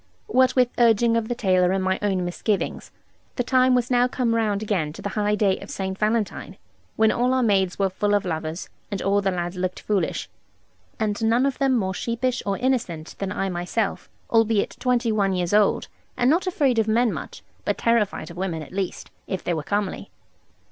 What with urging of the tailor, and my own misgivings, the time was now come round again to the high day of St. Valentine, when all our maids were full of lovers, and all the lads looked foolish. And none of them more sheepish or innocent than I myself, albeit twenty one years old, and not afraid of men much, but terrified of women, at least, if they were comely.